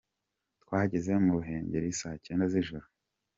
Twageze mu Ruhengeri saa cyenda z’ijoro.